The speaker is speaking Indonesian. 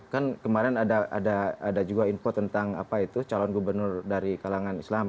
kan kemarin ada juga info tentang apa itu calon gubernur dari kalangan islam